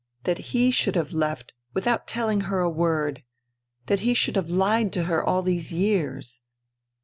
That he should have left without telling her a word I That he should have lied to her all these years